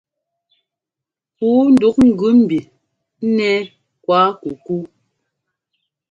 Pǔu ndúk gʉ mbi nɛ́ kuákukú.